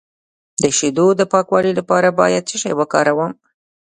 د شیدو د پاکوالي لپاره باید څه شی وکاروم؟